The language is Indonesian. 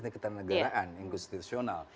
ketanegaraan yang konstitusional